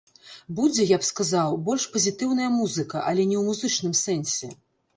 Будзе, я б сказаў, больш пазітыўная музыка, але не ў музычным сэнсе.